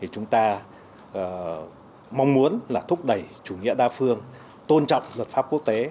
chúng ta mong muốn thúc đẩy chủ nghĩa đa phương tôn trọng luật pháp quốc tế